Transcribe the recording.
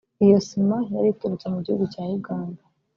Iyo sima yari iturutse mu gihugu cya Uganda